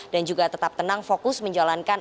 dan juga tetap tenang fokus menjalankan